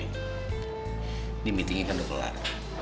ini meetingnya kan udah kelar